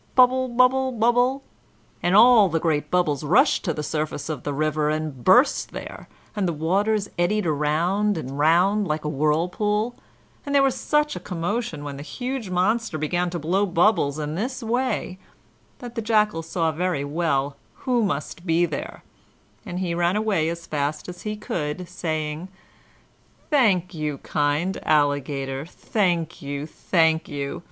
Bubble, bubble, bubble!" and all the great bubbles rushed to the surface of the river and burst there, and the waters eddied round and round like a whirlpool; and there was such a commotion when the huge monster began to blow bubbles in this way that the Jackal saw very well who must be there, and he ran away as fast as he could, saying, "Thank you, kind Alligator, thank you; thank you!